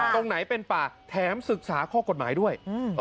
ตรงไหนเป็นป่าแถมศึกษาข้อกฎหมายด้วย